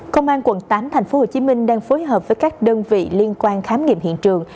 công an quận tám tp hcm đang phối hợp với các đơn vị liên quan khám nghiệm hiện trường